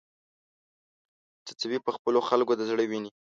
څڅوې په خپلو خلکو د زړه وینې